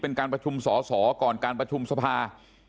เป็นการประชุมสอสอก่อนการประชุมสภา